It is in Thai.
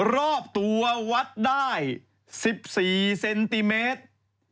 รอบตัววัดได้๑๔เซนติเมตร